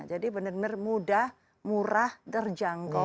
jadi benar benar mudah murah terjangkau